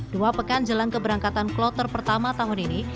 dua pekan jelang keberangkatan kloter pertama tahun ini